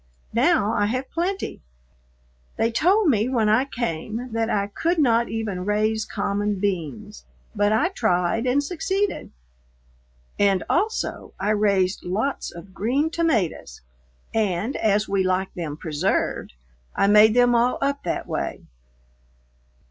Now I have plenty. They told me when I came that I could not even raise common beans, but I tried and succeeded. And also I raised lots of green tomatoes, and, as we like them preserved, I made them all up that way.